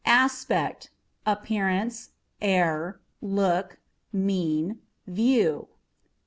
Aspect â€" appearance, air, look, mien, view.